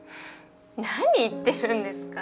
何言ってるんですか。